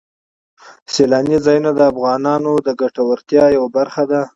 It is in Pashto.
سیلاني ځایونه د افغانانو د ګټورتیا یوه برخه ده.